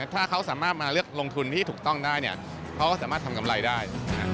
ถ้าเขาสามารถมาเลือกลงทุนที่ถูกต้องได้เขาก็สามารถทำกำไรได้